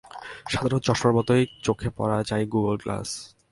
সাধারণ চশমার মতোই চোখে পরা যায় গুগল গ্লাস।